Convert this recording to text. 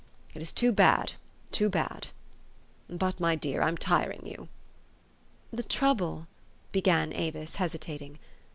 It is too bad, too bad. But, my dear, I'm tiring you." " The trouble," began Avis, hesitating.